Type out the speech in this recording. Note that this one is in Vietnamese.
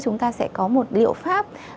chúng ta sẽ có một liệu pháp